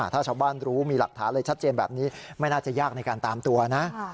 ถ้าชาวบ้านรู้มีหลักฐานอะไรชัดเจนแบบนี้ไม่น่าจะยากในการตามตัวนะ